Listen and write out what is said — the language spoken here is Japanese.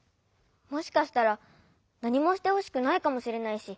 もしかしたらなにもしてほしくないかもしれないし。